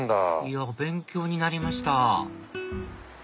いや勉強になりました